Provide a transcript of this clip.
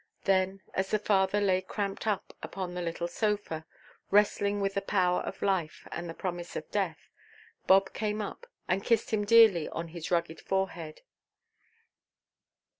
Then, as the father lay cramped up upon the little sofa, wrestling with the power of life and the promise of death, Bob came up, and kissed him dearly on his rugged forehead.